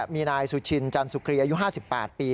มีนายสุชินจันสุครีอายุ๕๘ปี